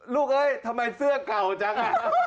เอ้ยทำไมเสื้อเก่าจัง